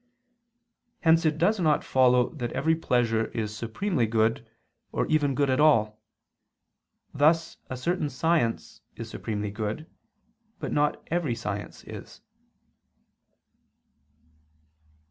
Hence it does not follow that every pleasure is supremely good, or even good at all. Thus a certain science is supremely good, but not every science is.